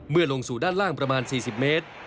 ลงสู่ด้านล่างประมาณ๔๐เมตร